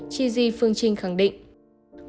tri phi phương trinh khẳng định